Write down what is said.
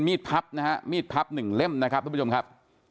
ดพับนะฮะมีดพับหนึ่งเล่มนะครับทุกผู้ชมครับ